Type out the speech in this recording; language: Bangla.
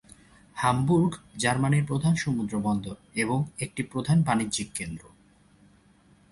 হামবুর্গ জার্মানির প্রধান সমুদ্র বন্দর এবং একটি প্রধান বাণিজ্যিক কেন্দ্র।